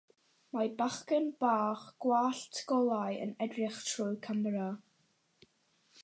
Mae bachgen bach gwallt golau yn edrych trwy gamera.